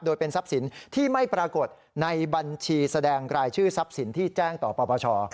โดยเป็นทรัพย์สินที่ไม่ปรากฏในบัญชีแสดงรายชื่อทรัพย์สินที่แจ้งต่อปปช